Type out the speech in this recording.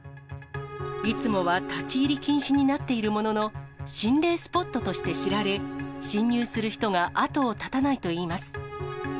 いつもは立ち入り禁止になっているものの、心霊スポットとして知られ、侵入する人が後を絶たないといいます。